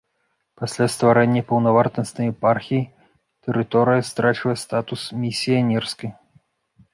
Пасля стварэння паўнавартаснай епархіі тэрыторыя страчвае статус місіянерскай.